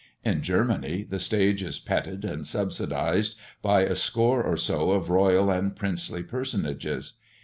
In Germany, the stage is petted and subsidised by a score or so of royal and princely personages.